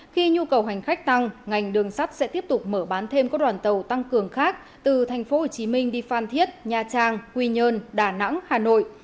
khi nhu cầu hành khách tăng ngành đường sắt sẽ tiếp tục mở bán thêm các đoàn tàu tăng cường khác từ tp hcm đi phan thiết nha trang quy nhơn đà nẵng hà nội